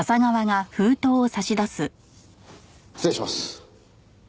失礼します。